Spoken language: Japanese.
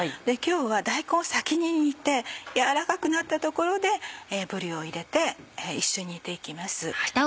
今日は大根を先に煮て軟らかくなったところでぶりを入れて一緒に煮て行きます。